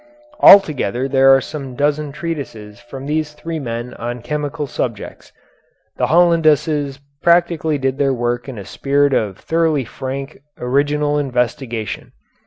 Altogether there are some dozen treatises from these three men on chemical subjects. The Hollanduses particularly did their work in a spirit of thoroughly frank, original investigation.